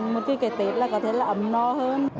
một cái tết là có thể là ấm no hơn